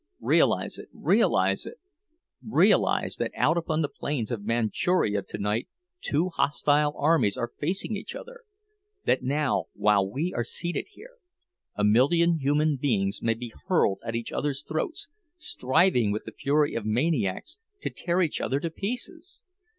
Realize it, realize it! Realize that out upon the plains of Manchuria tonight two hostile armies are facing each other—that now, while we are seated here, a million human beings may be hurled at each other's throats, striving with the fury of maniacs to tear each other to pieces!